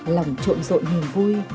lòng trộn rộn niềm vui